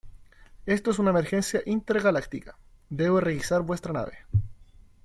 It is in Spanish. Esto es una emergencia intergaláctica. Debo requisar vuestra nave .